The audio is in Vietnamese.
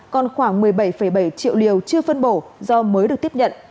còn khoảng một mươi bảy bảy triệu liều chưa phân bổ do mới được tiếp nhận